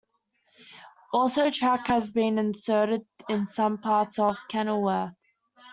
Also track has been inserted in some parts of Kenilworth.